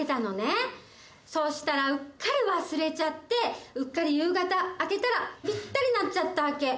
そしたらうっかり忘れちゃってうっかり夕方開けたらぴったりなっちゃったわけ。